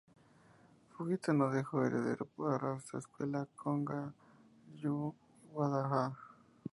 Fujita no dejó heredero para su Escuela Kōga-ryū Wada Ha.